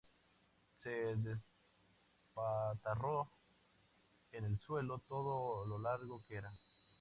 Se despatarró en el suelo todo lo largo que era